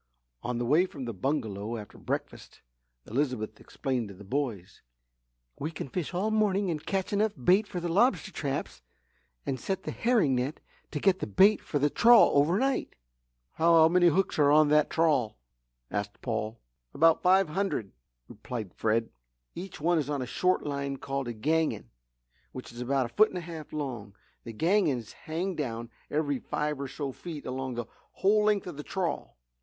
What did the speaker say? On the way from the bungalow after breakfast, Elizabeth explained to the boys. "We can fish all morning and catch enough bait for the lobster traps and set the herring net to get the bait for the trawl overnight." "How many hooks are on that trawl?" asked Paul. "About five hundred," replied Fred. "Each one is on a short line called a 'gangin' which is about a foot and a half long. These gangins hang down every five or so feet along the whole length of the trawl.